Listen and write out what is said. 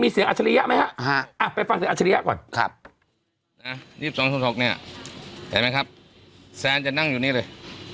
แสนจะนั่งอยู่นี้เลย